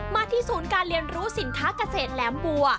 มาที่ศูนย์การเรียนรู้สินค้าเกษตรแหลมบัว